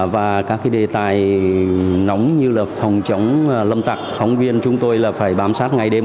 và các đề tài nóng như là phòng chống lâm tặc phóng viên chúng tôi là phải bám sát ngày đêm